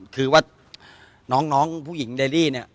คือว่าน้องผู้หญิงเดรี่เนี่ย